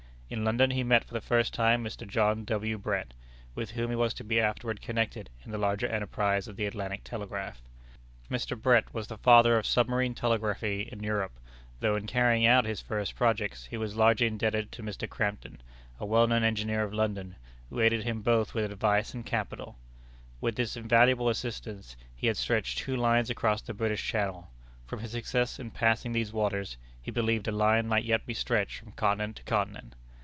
In London he met for the first time Mr. John W. Brett, with whom he was to be afterward connected in the larger enterprise of the Atlantic Telegraph. Mr. Brett was the father of submarine telegraphy in Europe, though in carrying out his first projects he was largely indebted to Mr. Crampton, a well known engineer of London, who aided him both with advice and capital. With this invaluable assistance, he had stretched two lines across the British channel. From his success in passing these waters, he believed a line might yet be stretched from continent to continent.